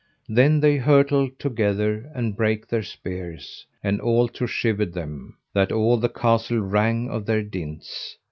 Then they hurtled together, and brake their spears, and all to shivered them, that all the castle rang of their dints.